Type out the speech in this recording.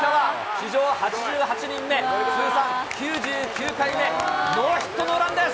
史上８８人目、通算９９回目、ノーヒットノーランです。